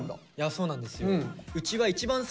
そうなんですよ。